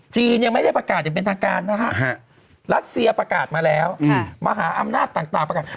ยังไม่ได้ประกาศอย่างเป็นทางการนะฮะรัสเซียประกาศมาแล้วมหาอำนาจต่างประกาศ